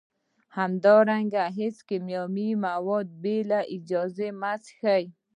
همدارنګه هیڅکله کیمیاوي مواد بې له اجازې مه څکئ